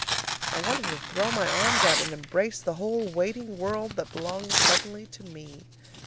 I wanted to throw my arms out and embrace the whole waiting world that belonged suddenly to me.